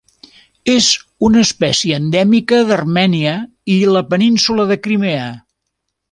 És una espècie endèmica d'Armènia i la Península de Crimea.